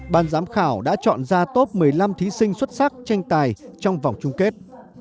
ban giám khảo đã chọn ra top một mươi năm thí sinh xuất sắc tranh tài trong vòng chung kết